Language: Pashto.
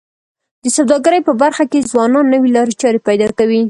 د سوداګرۍ په برخه کي ځوانان نوې لارې چارې پیدا کوي.